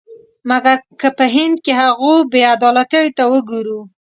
مګر که په هند کې هغو بې عدالتیو ته وګورو.